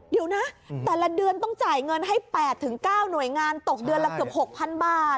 เดี๋ยวนะแต่ละเดือนต้องจ่ายเงินให้๘๙หน่วยงานตกเดือนละเกือบ๖๐๐๐บาท